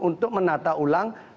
untuk menata ulang